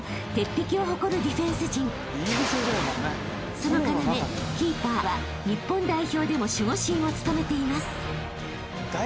［その要キーパーは日本代表でも守護神を務めています］